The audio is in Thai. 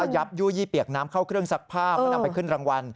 ยับยู่ยี่เปียกน้ำเข้าเครื่องศักดิ์ภาพนำไปขึ้นรางวัล